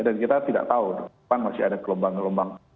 kita tidak tahu depan masih ada gelombang gelombang